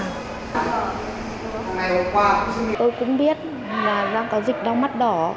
hằng ngày hôm qua tôi cũng biết là đang có dịch đau mắt đỏ